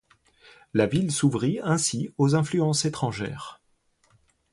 La ville s'ouvrit ainsi aux influences étrangères.